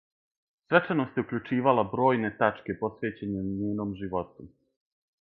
Свечаност је укључивала бројне тачке посвећене њеном животу.